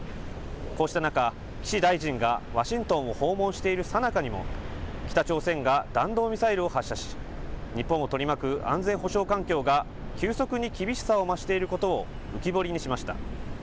こうした中、岸大臣がワシントンを訪問しているさなかにも、北朝鮮が弾道ミサイルを発射し、日本を取り巻く安全保障環境が急速に厳しさを増していることを浮き彫りにしました。